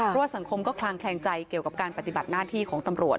เพราะว่าสังคมก็คลางแคลงใจเกี่ยวกับการปฏิบัติหน้าที่ของตำรวจ